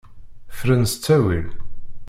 Fren s ttawil.